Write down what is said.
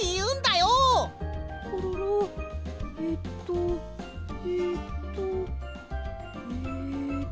コロロえっとえっとえっと。